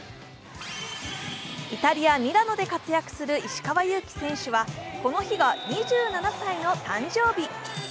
イタリア・ミラノで活躍する石川祐希選手はこの日が２７歳の誕生日。